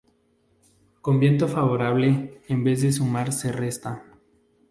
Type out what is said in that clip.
Con viento favorable en vez de sumar se resta.